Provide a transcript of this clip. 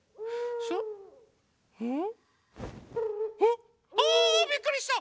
うん？